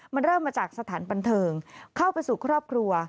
มันเริ่มมาจากสถานบันเทิงเข้าไปสู่ครอบครัว